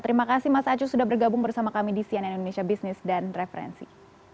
terima kasih mas acu sudah bergabung bersama kami di cnn indonesia business dan referensi